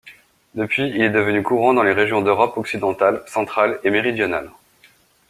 Depuis, il est devenu courant dans les régions d'Europe occidentale, centrale et méridionale.